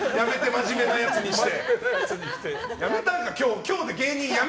真面目な回答にして。